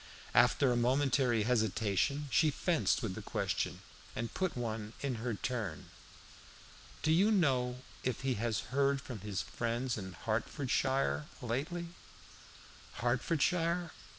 After a momentary hesitation she fenced with the question, and put one in her turn. "Do you know if he has heard from his friends in Hertfordshire lately?" "Hertfordshire?